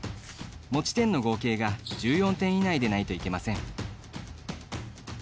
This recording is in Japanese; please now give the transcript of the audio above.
持ち点の合計が１４点以内でないといけません。